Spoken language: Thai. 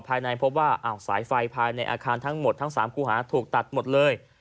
ตรวจสอบภายในพบว่าอ้าวสายไฟภายในอาคารทั้งหมดทั้ง๓คู่หาถูกตัดหมดเลย